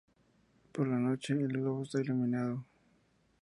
Por la noche, el globo está iluminado.